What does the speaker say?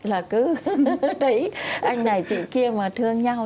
là cứ thấy anh này chị kia mà thương nhau